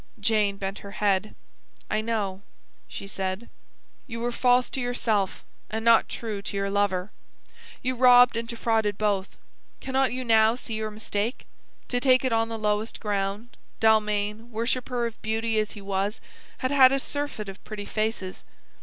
Jane bent her head. "I know," she said. "You were false to yourself, and not true to your lover. You robbed and defrauded both. Cannot you now see your mistake? To take it on the lowest ground, Dalmain, worshipper of beauty as he was, had had a surfeit of pretty faces.